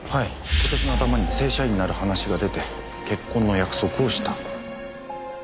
今年の頭に正社員になる話が出て結婚の約束をした。